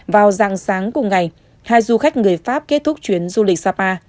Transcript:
vào dạng sáng cùng ngày hai du khách người pháp kết thúc chuyến du lịch sapa